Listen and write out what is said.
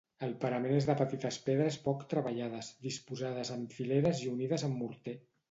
El parament és de petites pedres poc treballades, disposades en filades i unides amb morter.